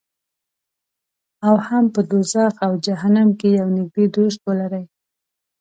او هم په دوزخ او جهنم کې یو نږدې دوست ولري.